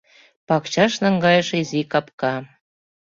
Пакчаш наҥгайыше изи капка.